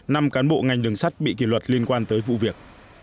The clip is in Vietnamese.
năm cán bộ ngành đường sắt bị kỷ luật liên quan tới vụ việc